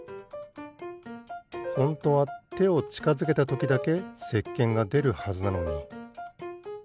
ホントはてをちかづけたときだけせっけんがでるはずなのに。